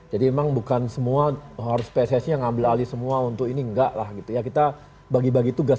jadi memang bukan semua harus pssi yang mengambil alih semua untuk ini enggak lah kita bagi bagi tugas